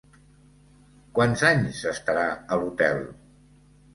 Quants anys s'estarà a l'hotel?